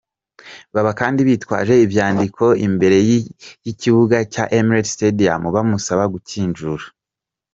Baba kandi bitwaje ivyandiko imbere y'ikibuga ca Emirates Stadium bamusaba gukinjura.